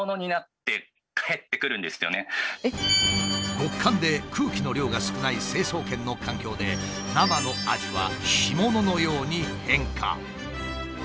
極寒で空気の量が少ない成層圏の環境で生のアジは干物のように変化。